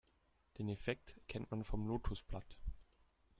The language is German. Den Effekt kennt man vom Lotosblatt.